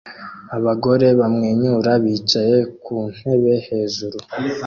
Abagore bamwenyura bicaye ku ntebe hejuru